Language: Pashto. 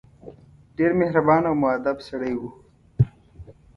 ډېر مهربان او موءدب سړی وو.